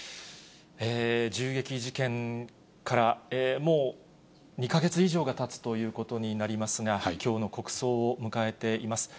銃撃事件からもう２か月以上がたつということになりますが、きょうの国葬を迎えています。